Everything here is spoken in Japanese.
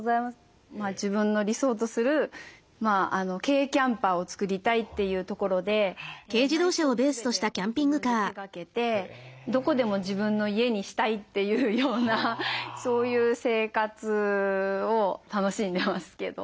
自分の理想とする軽キャンパーを作りたいというところで内装を全てやっぱり自分で手がけてどこでも自分の家にしたいというようなそういう生活を楽しんでますけど。